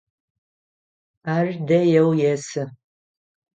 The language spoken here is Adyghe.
Ар дэеу есы.